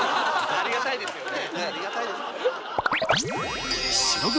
ありがたいですよね。